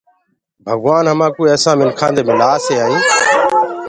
ڀگوآن همآنٚڪو ايسآ مِنکآنٚ دي ملآسي ائيٚنٚ